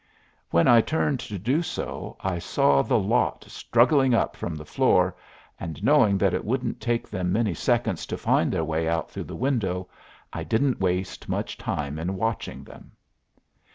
When I turned to do so I saw the lot struggling up from the floor, and, knowing that it wouldn't take them many seconds to find their way out through the window, I didn't waste much time in watching them.